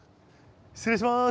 失礼します。